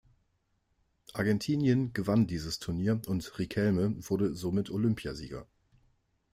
Argentinien gewann dieses Turnier und Riquelme wurde somit Olympiasieger.